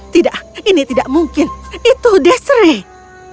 tidak ini tidak mungkin itu desiree